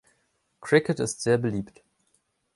Cricket ist sehr beliebt.